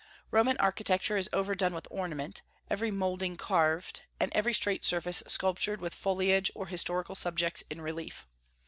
Roman architecture is overdone with ornament, every moulding carved, and every straight surface sculptured with foliage or historical subjects in relief.